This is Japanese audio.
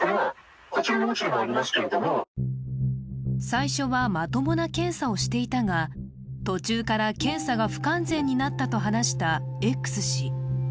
最初はまともな検査をしていたが、途中から検査が不完全になったと話したＸ氏。